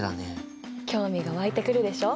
興味が湧いてくるでしょ？